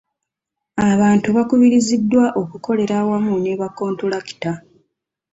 Abantu bakubiriziddwa okukolera awamu ne ba kontulakita.